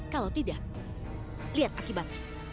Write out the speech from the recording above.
kalau tidak lihat akibatnya